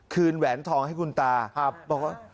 คืนแหวนทองให้คุณตาครับบอกว่า